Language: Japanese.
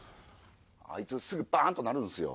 あいつすぐバン！となるんですよ。